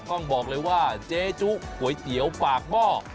ต้องบอกเลยว่าเจ๊จุก๋วยเตี๋ยวปากหม้อ